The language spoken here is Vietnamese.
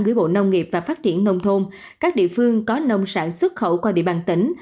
gửi bộ nông nghiệp và phát triển nông thôn các địa phương có nông sản xuất khẩu qua địa bàn tỉnh